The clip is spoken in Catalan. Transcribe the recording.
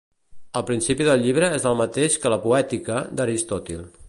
El principi del llibre és el mateix que la "Poètica" d'Aristòtil.